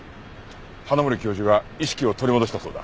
花森教授が意識を取り戻したそうだ。